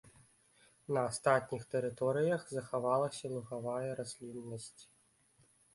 На астатніх тэрыторыях захавалася лугавая расліннасць.